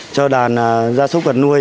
cho đàn gia súc vật nuôi